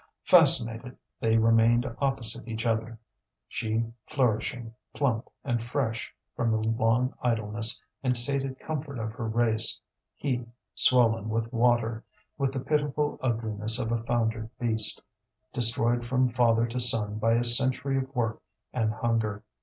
Fascinated, they remained opposite each other she flourishing, plump, and fresh from the long idleness and sated comfort of her race; he swollen with water, with the pitiful ugliness of a foundered beast, destroyed from father to son by a century of work and hunger.